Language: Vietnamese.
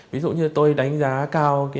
ví dụ như tôi đánh giá cao